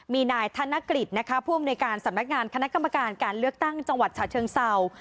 มีนายธนกฤษนะคะผู้อำนวยการสำนักงานคณะกรรมการการเลือกตั้งจังหวัดฉะเชิงเศร้า